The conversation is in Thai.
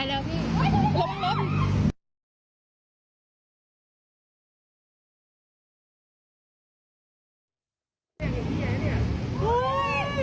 ไปเร็วพี่